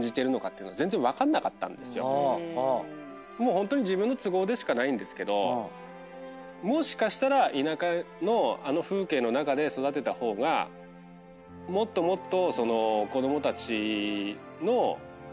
もうホントに自分の都合でしかないんですけどもしかしたら田舎のあの風景の中で育てた方がもっともっと。